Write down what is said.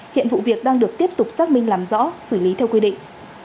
hiện vụ việc đang được tiếp tục xác minh làm rõ xử lý theo quy định